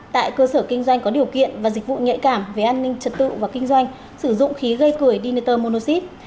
tại cơ sở kinh doanh có điều kiện và dịch vụ nhạy cảm về an ninh trật tự và kinh doanh sử dụng khí gây cười diniter monoxid